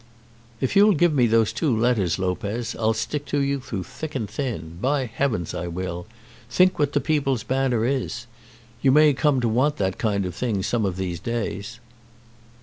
"If you'll give me those two letters, Lopez, I'll stick to you through thick and thin. By heavens I will! Think what the 'People's Banner' is. You may come to want that kind of thing some of these days."